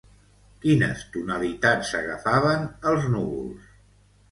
Quines tonalitats agafaven els núvols?